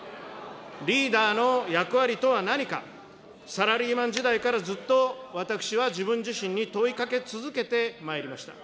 リーダーの役割とは何か、サラリーマン時代からずっと私は自分自身に問いかけ続けてまいりました。